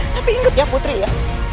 tapi inget ya putri ya